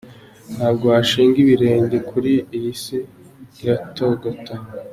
ntabwo washinga ibirenge kuri iyi Isi iratogota.